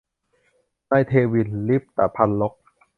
นายเทวัญ ลิปตพัลลภ